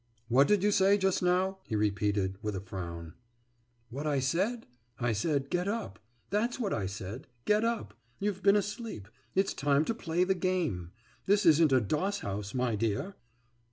»What did you say just now?« he repeated, with a frown. »What I said? I said, get up! that's what I said. Get up! You 've been asleep. It's time to play the game. This isn't a doss house, my dear!